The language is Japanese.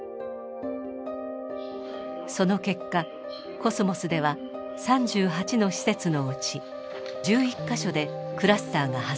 その結果コスモスでは３８の施設のうち１１カ所でクラスターが発生。